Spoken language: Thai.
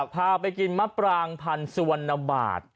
พาไปกินมะปรางพันธ์สุวรรณบาท